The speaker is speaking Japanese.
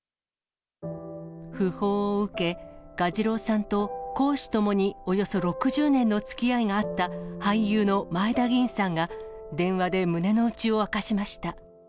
訃報を受け、蛾次郎さんと公私ともにおよそ６０年のつきあいがあった、俳優の前田吟さんが、電話で胸の内を明かしました。